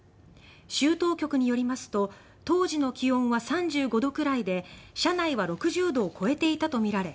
州当局によりますと当時の気温は３５度くらいで車内は６０度を超えていたとみられ